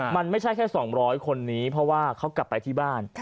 มันไม่ใช่แค่๒๐๐คนนี้เพราะว่าเขากลับไปที่บ้าน